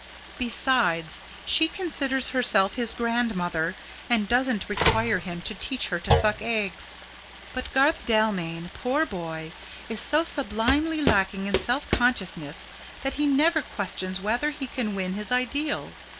Besides, she considers herself his grandmother, and doesn't require him to teach her to suck eggs. But Garth Dalmain, poor boy, is so sublimely lacking in self consciousness that he never questions whether he can win his ideal.